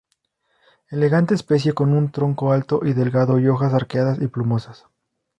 Elegante especie con un tronco alto y delgado, y hojas arqueadas y plumosas.